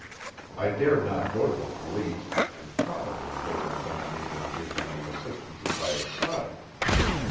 I dared not go to the police, and probably they would have been unable to give me any assistance if I had sought it.